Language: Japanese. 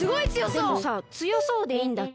でもさつよそうでいいんだっけ。